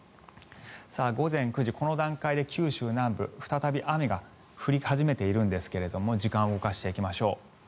午前９時、この段階で九州南部再び雨が降り始めているんですが時間を動かしていきましょう。